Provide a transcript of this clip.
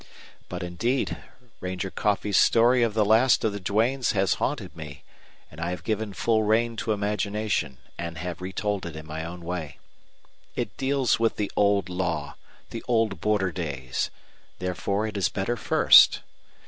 But, indeed, Ranger Coffee's story of the last of the Duanes has haunted me, and I have given full rein to imagination and have retold it in my own way. It deals with the old law the old border days therefore it is better first.